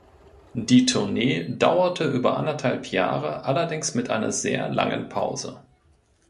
Die Tournee dauerte über anderthalb Jahre, allerdings mit einer sehr langen Pause.